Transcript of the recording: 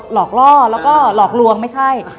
หลอกล่อแล้วก็หลอกลวงไม่ใช่